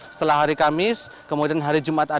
setelah hari kamis kemudian hari jumat